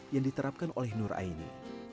yang diterapkan oleh nur aini